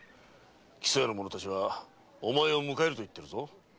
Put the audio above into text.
木曽屋の者たちはお前を迎え入れると言っているぞ。